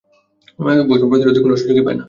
খোজাআ প্রতিরোধের কোন সুযোগই পায় না।